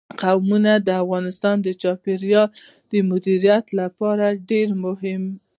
قومونه د افغانستان د چاپیریال د مدیریت لپاره ډېر مهم دي.